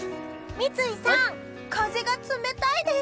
三井さん、風が冷たいです。